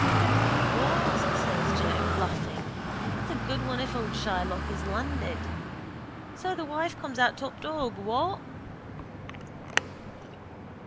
—Holy Wars, says Joe, laughing, that's a good one if old Shylock is landed. So the wife comes out top dog, what?